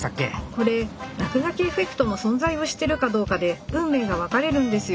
これ落書きエフェクトの存在を知ってるかどうかで運命が分かれるんですよ。